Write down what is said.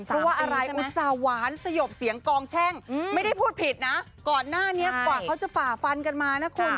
เพราะว่าอะไรอุตส่าห์หวานสยบเสียงกองแช่งไม่ได้พูดผิดนะก่อนหน้านี้กว่าเขาจะฝ่าฟันกันมานะคุณ